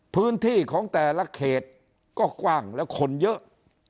พื้นที่ของแต่ละเขตก็กว้างแล้วคนเยอะ